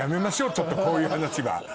ちょっとこういう話は。